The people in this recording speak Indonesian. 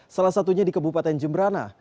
salah satunya di kebupaten jemberana